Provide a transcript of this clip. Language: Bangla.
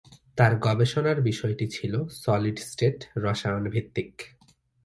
তাঁর গবেষণার বিষয়টি ছিল সলিড স্টেট রসায়ন ভিত্তিক।